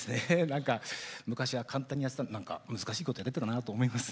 なんか昔は簡単にやってたのに難しいことやってたんだなと思います。